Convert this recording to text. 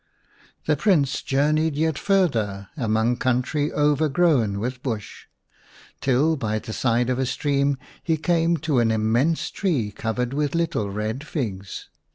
The Prince journeyed yet farther among country overgrown with bush, till by the side of a stream he came to an immense tree covered with little red figs.